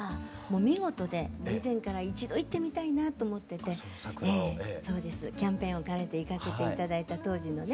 見事で以前から一度行ってみたいなと思っててキャンペーンを兼ねて行かせて頂いた当時のね。